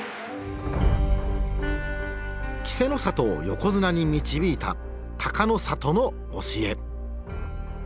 稀勢の里を横綱に導いた隆の里の教え。